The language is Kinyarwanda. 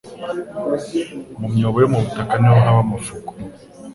Mu myobo yo mu butaka niho haba amafuku